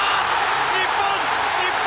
日本日本